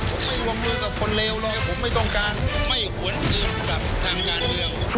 ผมไม่วงมือกับคนเลวหรอกผมไม่ต้องการ